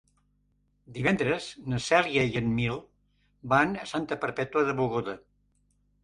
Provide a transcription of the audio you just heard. Divendres na Cèlia i en Nil van a Santa Perpètua de Mogoda.